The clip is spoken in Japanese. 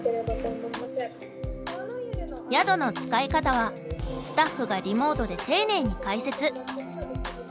宿の使い方はスタッフがリモートで丁寧に解説。